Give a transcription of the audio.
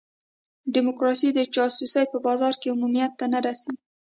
ډیموکراسي د جاسوسۍ په بازار کې عمومیت ته نه رسي.